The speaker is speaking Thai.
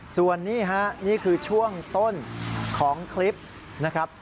ส่วนนี้ฮะนี่คือช่วงต้นของคลิปนะครับ